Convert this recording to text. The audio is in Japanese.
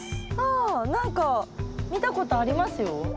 あ何か見たことありますよ。